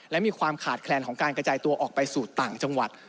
และมีความขาดแคลนของการกระจายตัวออกไปสู่ต่างจังหวัด